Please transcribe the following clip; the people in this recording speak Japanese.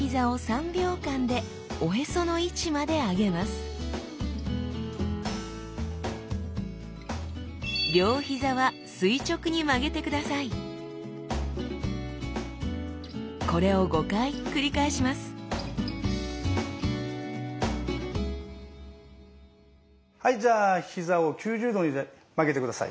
１つ目はまずははいじゃあ膝を９０度に曲げて下さい。